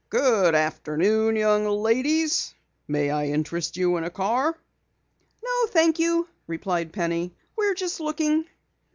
"Good afternoon, young ladies. May I interest you in a car?" "No, thank you," replied Penny. "We're just looking."